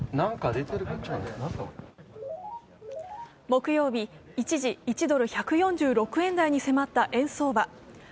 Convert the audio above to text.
木曜日、一時１ドル＝１４６円台に迫った円相場。